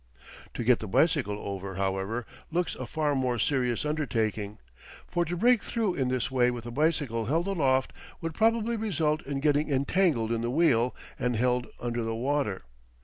To get the bicycle over, however, looks a far more serious undertaking; for to break through in this way with a bicycle held aloft would probably result in getting entangled in the wheel and held under the water.